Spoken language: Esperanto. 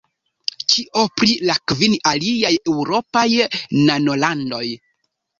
Kio pri la kvin aliaj eŭropaj nanolandoj?